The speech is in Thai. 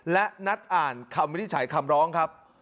และนัดอ่านคำวินิจฉัยคำร้องครับ